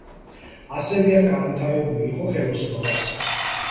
ასევე აქ განვითარებული იყო ხელოსნობაც.